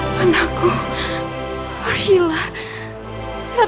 masa ini saya sudah menang